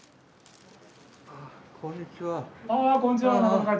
こんにちは。